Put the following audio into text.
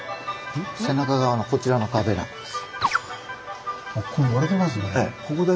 背中側のこちらの壁なんです。